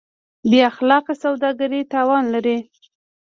بېاخلاقه سوداګري تاوان لري.